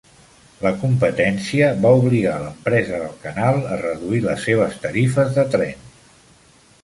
La competència va obligar l'empresa del canal a reduir les seves tarifes de tren.